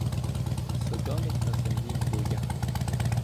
Содомить на землі в людях.